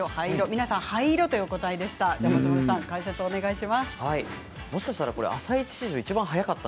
皆さん、灰色という答えでした。